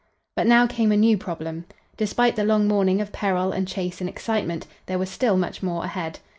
But now came a new problem. Despite the long morning of peril and chase and excitement, there was still much more ahead.